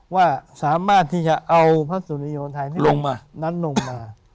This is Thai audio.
ว่าสามารถที่จะเอาพระสุริยธัณฑ์ไทยนั้นลงมา